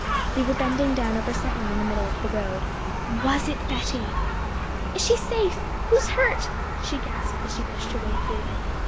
They were bending down over something in the middle of the road. Was it Betty? 'Is she safe? Who is hurt?' she gasped, as she pushed her way through.